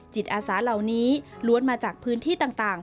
จิตอาสาเหล่านี้ล้วนมาจากพื้นที่ต่าง